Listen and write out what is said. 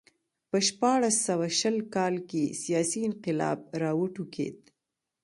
په شپاړس سوه شل کال کې سیاسي انقلاب راوټوکېد